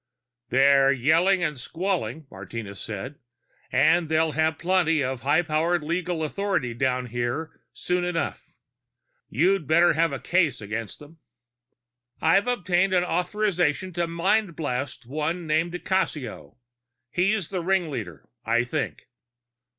"They're yelling and squalling," Martinez said, "and they'll have plenty of high power legal authority down here soon enough. You'd better have a case against them." "I'm obtaining an authorization to mind blast the one named di Cassio. He's the ringleader, I think."